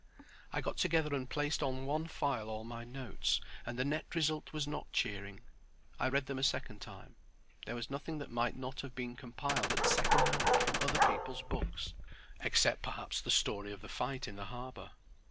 I got together and placed on one file all my notes; and the net result was not cheering. I read them a second time. There was nothing that might not have been compiled at second hand from other people's books—except, perhaps, the story of the fight in the harbor.